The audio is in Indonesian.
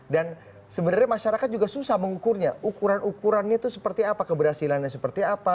dan sebenarnya masyarakat juga susah mengukurnya ukuran ukurannya itu seperti apa keberhasilannya seperti apa